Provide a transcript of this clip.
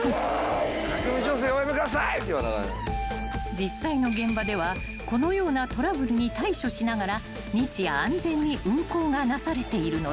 ［実際の現場ではこのようなトラブルに対処しながら日夜安全に運行がなされているのだ］